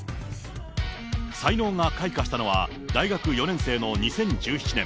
才能が開花したのは、大学４年生の２０１７年。